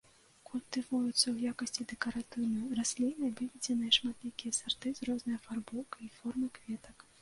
Культывуецца ў якасці дэкаратыўнай расліны, выведзеныя шматлікія сарты з рознай афарбоўкай і формай кветак.